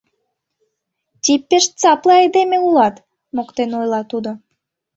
— Ти пеш цапле айдеме улат, — моктен ойла тудо.